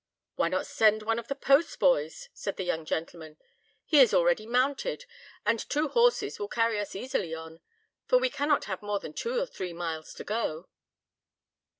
"Why not send one of the post boys?" said the young gentleman; "he is already mounted, and two horses will carry us easily on, for we cannot have more than two or three miles to go."